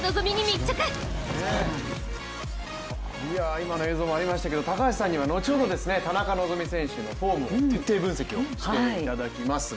今の映像にもありましたけれども、高橋さんには後ほど田中希実選手のフォームを徹底分析していただきますが。